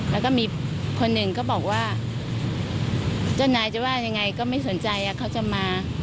แล้วก็มีคนหนึ่งก็บอกว่าเจ้านายจะว่ายังไงก็ไม่สนใจเขาจะมา